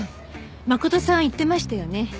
真琴さん言ってましたよね。